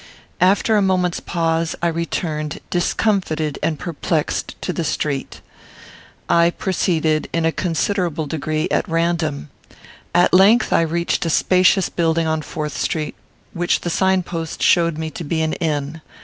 After a moment's pause, I returned, discomfited and perplexed, to the street. I proceeded, in a considerable degree, at random. At length I reached a spacious building in Fourth Street, which the signpost showed me to be an inn.